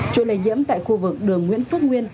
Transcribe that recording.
trôi lây nhiễm tại khu vực đường nguyễn phước nguyên